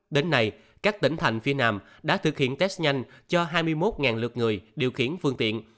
đến nay các tỉnh thành phía nam đã thực hiện test nhanh cho hai mươi một lượt người điều khiển phương tiện